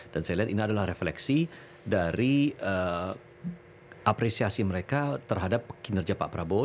dan saya lihat ini adalah refleksi dari apresiasi mereka terhadap kinerja pak prabowo ya